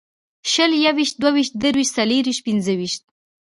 شل یوویشت دوهویشت درویشت څلېرویشت پنځهویشت